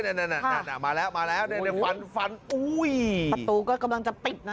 นั่นนั่นอ่ะมาแล้วมาแล้วฟันฟันอุ้ยประตูก็กำลังจะปิดนะ